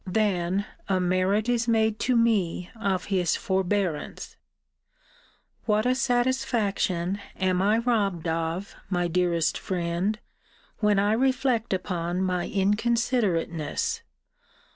Then a merit is made to me of his forbearance. What a satisfaction am I robbed of, my dearest friend, when I reflect upon my inconsiderateness!